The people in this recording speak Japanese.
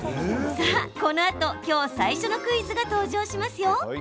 さあ、このあときょう最初のクイズが登場しますよ。